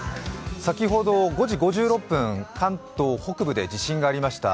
先ほど５時５６分、関東北部で地震がありました。